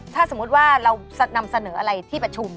ถ้าสมมุติว่าเรานำเสนออะไรที่ประชุม